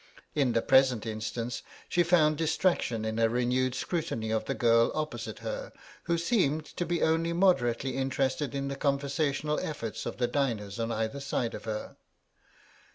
In the present instance she found distraction in a renewed scrutiny of the girl opposite her, who seemed to be only moderately interested in the conversational efforts of the diners on either side of her.